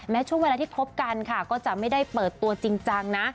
ช่วงเวลาที่พบกันค่ะก็จะไม่ได้เปิดตัวจริงจังนะ